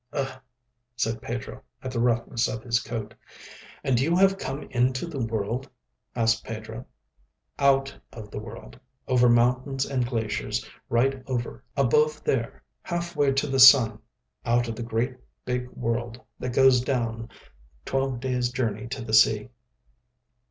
"Ugh!" said Pedro, at the roughness of his coat. "And you have come into the world?" asked Pedro. "Out of the world. Over mountains and glaciers; right over above there, half way to the sun. Out of the great, big world that goes down, twelve days' journey to the sea."